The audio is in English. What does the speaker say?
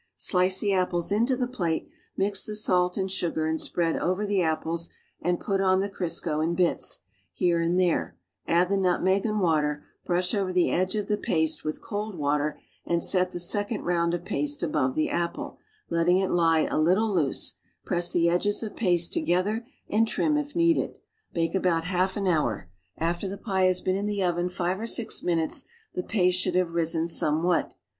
Slice the apples Into the plate; mix the salt and sugar and spread over tlie apples and put on the Crisco in bits, here and there; add the nutmeg and water; brush over the edge of the paste with cold water and set the second round of paste above the apple, letting it lie a little loose; press the edges of paste together and trim if needed. Bake about half an hour. After the pie has been in the oven five or six minutes the paste should have risen somewhat.